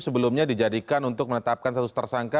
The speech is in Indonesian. sebelumnya dijadikan untuk menetapkan status tersangka